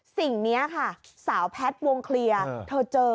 สิ่งนี้ค่ะสาวแพทย์วงเคลียร์เธอเจอ